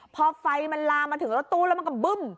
พอไฟมันลามมาถึงรถตู้แล้วมันก็บึ้ม